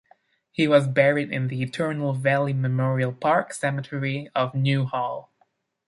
He was buried in the Eternal Valley Memorial Park Cemetery of Newhall.